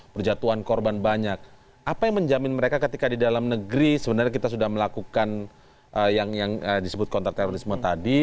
perjatuhan korban banyak apa yang menjamin mereka ketika di dalam negeri sebenarnya kita sudah melakukan yang disebut kontra terorisme tadi